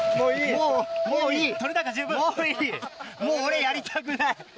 「もういいもう俺やりたくない」？